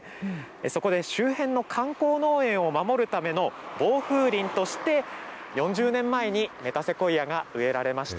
そこで周辺の観光農園を守るための防風林として、４０年前にメタセコイアが植えられました。